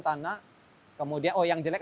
tanah kemudian oh yang jelek